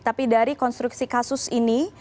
tapi dari konstruksi kasus ini